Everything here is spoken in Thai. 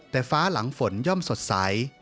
แต่ฟ้าหลังฝนย่อมสดใส